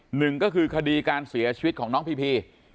หนึ่งก็คือคดีการเสียชีวิตของน้องพีพี